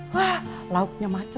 wah lauknya macem macem